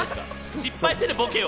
失敗してるボケを。